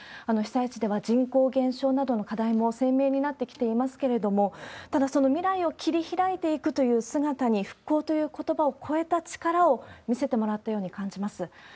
被災地では人口減少などの課題も鮮明になってきていますけれども、ただ、その未来を切り開いていくという姿に、復興ということばを超えた力を見せてもらったように感じます。